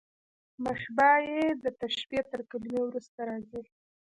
مشبه به، د تشبېه تر کلمې وروسته راځي.